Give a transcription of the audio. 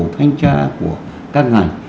thanh tra của các ngành